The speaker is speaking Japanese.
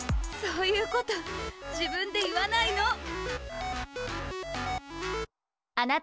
そういうこと自分で言わないの！